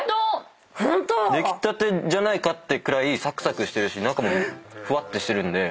出来たてじゃないかってくらいサクサクしてるし中もふわってしてるんで。